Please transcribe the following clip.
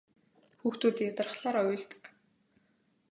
Хүүхдүүд ядрахлаараа уйлдаг.